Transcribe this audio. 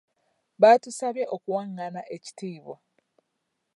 Baatusabye okuwangana ekitiibwa.